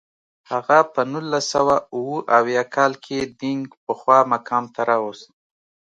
هغه په نولس سوه اووه اویا کال کې دینګ پخوا مقام ته راوست.